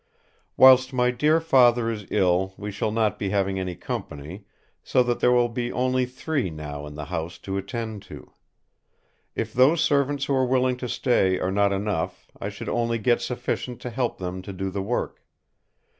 Whilst my dear Father is ill we shall not be having any company, so that there will be only three now in the house to attend to. If those servants who are willing to stay are not enough, I should only get sufficient to help them to do the work.